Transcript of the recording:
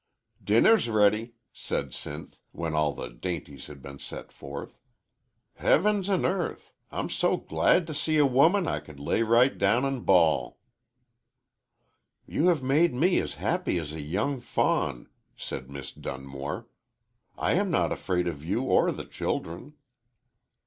"Dinner's ready," said Sinth, when all the dainties had been set forth. "Heavens an' earth! I'm so glad t' see a woman I could lay right down an' bawl." "You have made me as happy as a young fawn," said Miss Dunmore. "I am not afraid of you or the children."